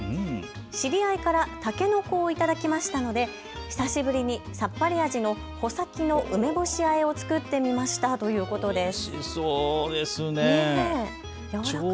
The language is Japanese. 知り合いからタケノコを頂きましたので久しぶりにさっぱり味の穂先の梅干しあえを作ってみましたということです。